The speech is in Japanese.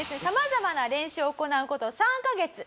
さまざまな練習を行う事３カ月。